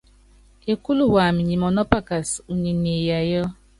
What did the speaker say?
Ekúlu wamɛ nyi mɔnɔ́pakas, unyi niiyayɔ́.